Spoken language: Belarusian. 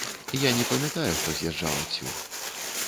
Я не памятаю, хто з'язджаў адсюль.